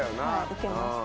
受けました。